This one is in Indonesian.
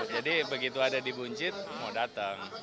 jadi begitu ada di buncit mau datang